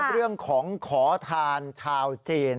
เรื่องของขอทานชาวจีน